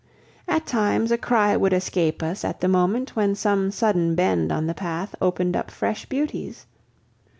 At times a cry would escape us at the moment when some sudden bend on the path opened up fresh beauties.